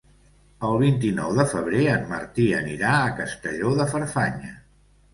El vint-i-nou de febrer en Martí anirà a Castelló de Farfanya.